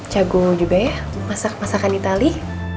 jagung juga ya masak masakan itali